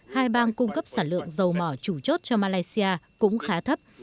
hai bang cung cấp sản lượng dầu mỏ chủ chốt cho malaysia cũng khá thấp